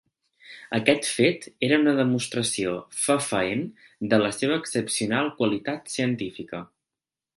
Aquest fet era una demostració fefaent de la seva excepcional qualitat científica.